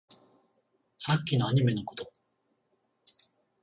さっきのアニメのこと